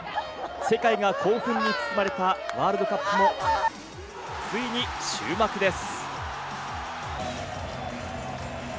世界が興奮に包まれたワールドカップの、ついに終幕です。